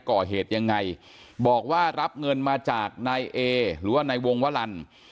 ก่อเหตุยังไงบอกว่ารับเงินมาจากนายเอหรือว่านายวงวลัน